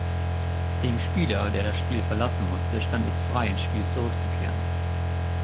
Dem Spieler, der das Spiel verlassen musste, stand es frei, ins Spiel zurückzukehren.